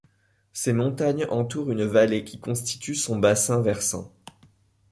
Ces montagnes entourent une vallée qui constitue son bassin versant.